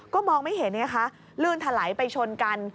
ก็มองไม่เห็นไงคะลื่นถลายไปชนกัน